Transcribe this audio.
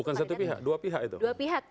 bukan satu pihak dua pihak itu